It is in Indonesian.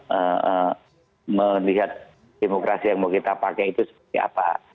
tapi saya tidak akan melihat demokrasi yang mau kita pakai itu seperti apa